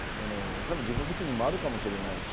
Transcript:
そりゃ自己責任もあるかもしれないし